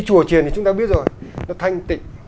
chùa triền thì chúng ta biết rồi nó thanh tịnh